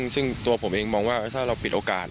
ซึ่งตัวผมเองมองว่าถ้าเราปิดโอกาส